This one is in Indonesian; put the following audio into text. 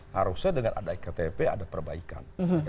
harusnya dengan ada iktp ada perbaikan